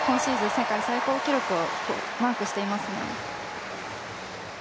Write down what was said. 世界最高記録をマークしていますね。